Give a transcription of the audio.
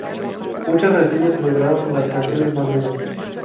Muchas reseñas celebraron las canciones más duras.